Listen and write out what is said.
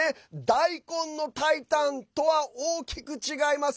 大根の炊いたんとは大きく違います。